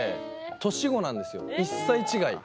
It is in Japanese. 年子なんですよ１歳違い。